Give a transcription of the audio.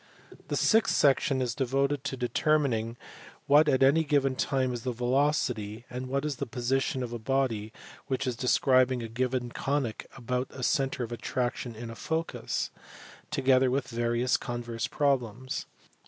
The sixth section is devoted to determining what at any given time is the velocity and what is the position of a body which is describing a given conic about a centre of attraction in a focus : together with various converse problems.